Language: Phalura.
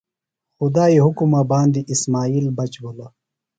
خدائی حُکمہ باندیۡ اسمائیل بچ بِھلوۡ۔